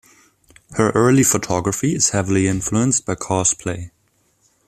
Her early photography is heavily influenced by cosplay.